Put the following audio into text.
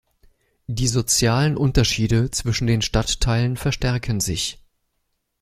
Die sozialen Unterschiede zwischen den Stadtteilen verstärken sich.